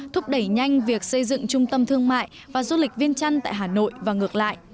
thúc đẩy nhanh việc xây dựng trung tâm thương mại và du lịch viên trăn tại hà nội và ngược lại